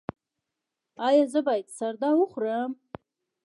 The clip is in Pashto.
ایا زه باید سردا وخورم؟